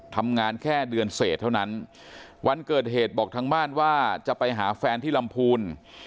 ทำงานแค่เดือนเศษเท่านั้นวันเกิดเหตุบอกทางบ้านว่าจะไปหาแฟนที่ลำพูน